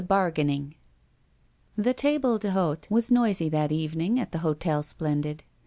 Bargaining The table d'hôte was noisy that evening at the Hotel Splendid.